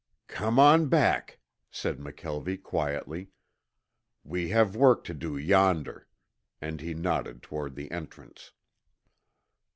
"Come on back," said McKelvie quietly. "We have work to do yonder," and he nodded toward the entrance.